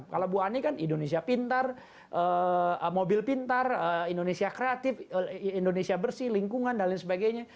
kalau bu ani kan indonesia pintar mobil pintar indonesia kreatif indonesia bersih lingkungan dan lain sebagainya